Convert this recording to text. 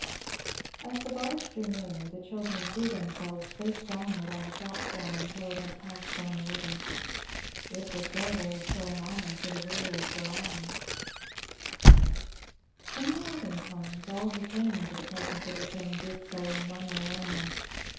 As the barge drew nearer, the children threw themselves face downward on the platform until it had passed down the river. It was their way of showing honour to the ruler of the land. [Illustration: CHIN'S HOME.] In the olden times all who came into the presence of the king, did so in one way only.